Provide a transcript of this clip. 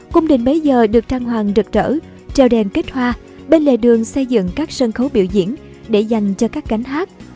cung đình bấy giờ được trang hoàng rực rỡ treo đèn kết hoa bên lề đường xây dựng các sân khấu biểu diễn để dành cho các cánh hát